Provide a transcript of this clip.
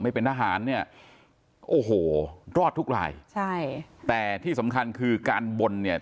ไม่เป็นทหารเนี่ยโอ้โหรอดทุกรายใช่แต่ที่สำคัญคือการบนเนี่ย